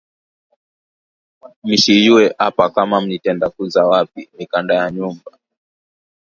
Mishiyue apa kama mitenda kuza wapi mikanda ya nyumba